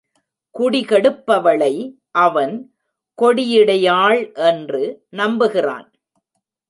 குடிகெடுப்பவளை, அவன் கொடியிடையாள் என்று நம்புகிறான்.